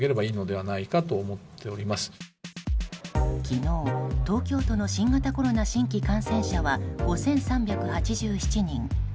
昨日、東京都の新型コロナ新規感染者は５３８７人。